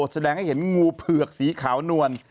แสดงให้เห็นงูเผือกสีขาวนวล